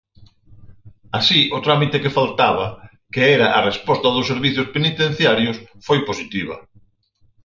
Así, o trámite que faltaba, que era a resposta dos Servizos Penitenciarios, foi positiva.